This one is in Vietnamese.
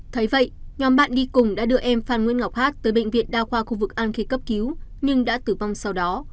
thấy vậy nhóm bạn đi cùng đã đưa em phan nguyễn ngọc hát tới bệnh viện đa khoa khu vực an khê cấp cứu nhưng đã tử vong sau đó